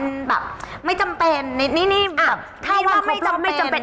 มันไม่จำเป็นนิดนี้ถ้าว่าไม่จำเป็น